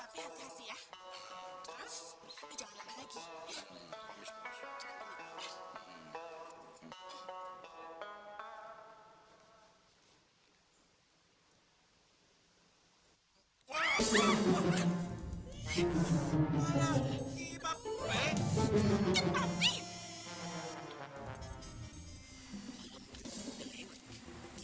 papi ini mau jual sapi